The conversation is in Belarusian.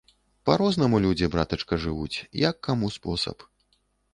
Па-рознаму людзі, братачка, жывуць, як каму спосаб.